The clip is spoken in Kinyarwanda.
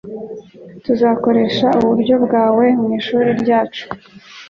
Tuzakoresha uburyo bwawe mwishuri ryacu.